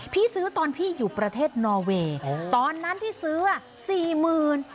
ซื้อตอนพี่อยู่ประเทศนอเวย์ตอนนั้นที่ซื้ออ่ะสี่หมื่น